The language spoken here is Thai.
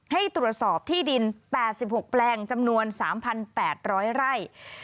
ให้ตรวจสอบที่ดิน๘๖แปลงจำนวน๓๘๐๐ไร่